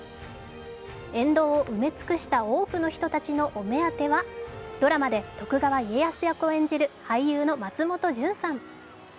沿道を埋め尽くした多くの人たちのお目当てはドラマで徳川家康役を演じる俳優の松本潤さん。